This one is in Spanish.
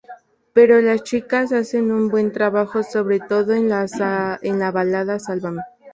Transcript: Pero las chicas hacen un buen trabajo, sobre todo en la balada "Sálvame".